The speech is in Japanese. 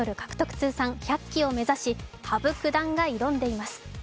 通算１００期を目指し、羽生九段が挑んでいます。